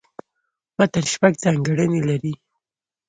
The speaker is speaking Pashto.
متن شپږ ځانګړني لري.